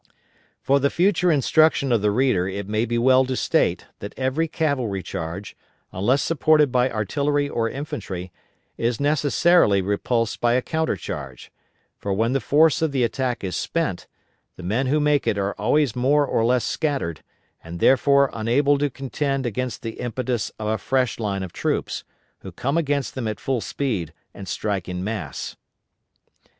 For the future instruction of the reader it may be well to state that every cavalry charge, unless supported by artillery or infantry, is necessarily repulsed by a counter charge; for when the force of the attack is spent, the men who make it are always more or less scattered, and therefore unable to contend against the impetus of a fresh line of troops, who come against them at full speed and strike in mass.